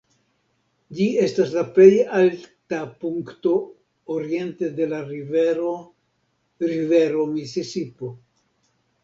Ĝi estas la plej alta punkto oriente de la Rivero Rivero Misisipo.